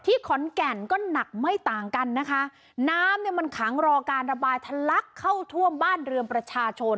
ขอนแก่นก็หนักไม่ต่างกันนะคะน้ำเนี่ยมันขังรอการระบายทะลักเข้าท่วมบ้านเรือนประชาชน